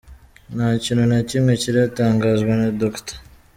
Nta kintu na kimwe kiratangazwa na Dr.